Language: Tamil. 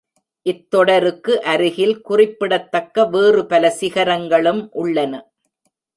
இத் தொடருக்கு அருகில் குறிப்பிடத்தக்க வேறுபல சிகரங்களும் உள்ளன.